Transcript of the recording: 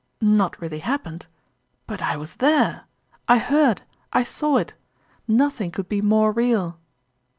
" Not really happened ? But I was there / I heard, I saw it nothing could be more real